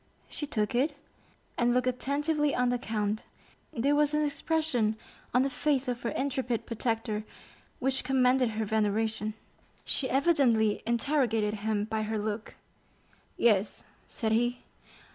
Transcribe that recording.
She took it, and looked attentively on the count; there was an expression on the face of her intrepid protector which commanded her veneration. She evidently interrogated him by her look. "Yes," said he.